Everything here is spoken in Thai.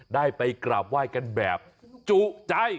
ได้ไปกราบไหว้กันแบบจุใจ